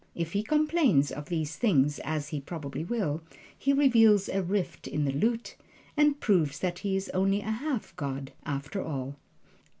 If he complains of these things (as he probably will), he reveals a rift in the lute and proves that he is only a half god, after all.